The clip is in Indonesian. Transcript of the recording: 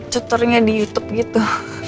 cuturnya di youtube gitu